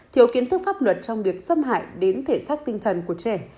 thiếu kiến thức pháp luật trong việc xâm hại đến thể xác tinh thần của trẻ